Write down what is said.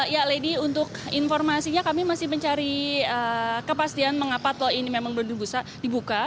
ya lady untuk informasinya kami masih mencari kepastian mengapa tol ini memang belum bisa dibuka